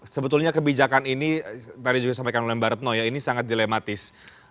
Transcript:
sebetulnya kebijakan ini tadi juga disampaikan oleh mbak retno ya ini sangat dilematis